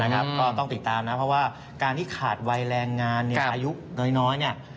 ก็ต้องติดตามนะเพราะว่าการที่ขาดวัยแรงงานอายุน้อยเนี่ย